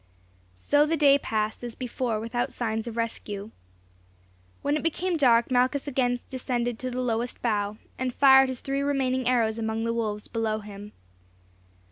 So the day passed as before without signs of rescue. When it became dark Malchus again descended to the lowest bough, and fired his three remaining arrows among the wolves below him.